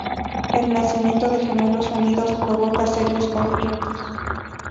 El nacimiento de gemelos unidos provoca serios conflictos.